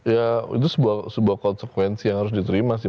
ya itu sebuah konsekuensi yang harus diterima sih